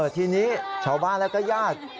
ทีนี้ชาวบ้านแล้วก็ญาติ